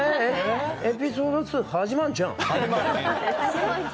エピソード２始まるんちゃう？